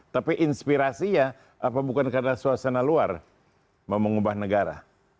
tapi inspirasinya apa bukan karena suasana luar mau mengubah negara